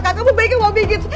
kan kamu baik yang mau bikin